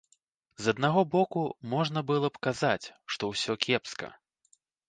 З аднаго боку, можна было б казаць, што ўсё кепска.